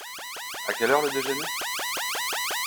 À quelle heure le déjeuner ?